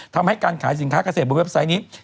ทำให้การขายสินค้าเกษตรบนเว็บไซต์นี้